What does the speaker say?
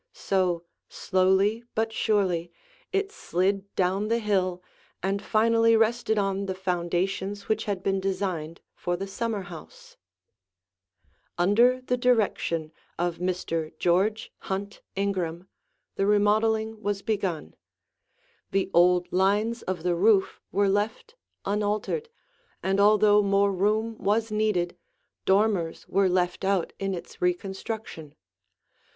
So, slowly but surely, it slid down the hill and finally rested on the foundations which had been designed for the summer house. [Illustration: The Entrance Porch] Under the direction of Mr. George Hunt Ingraham, the remodeling was begun. The old lines of the roof were left unaltered, and although more room was needed, dormers were left out in its reconstruction.